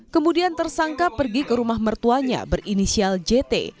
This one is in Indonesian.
kemudian tersangka pergi ke rumah mertuanya berinisial jt